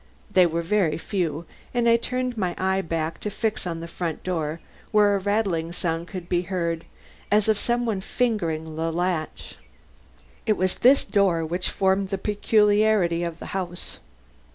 They were very few and I turned back to fix my eye on the front door where a rattling sound could be heard, as of some one fingering the latch. It was this door which formed the peculiarity of the house.